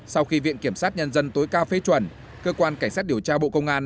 sau khi viện kiểm sát nhân dân tối cao phê chuẩn cơ quan cảnh sát điều tra bộ công an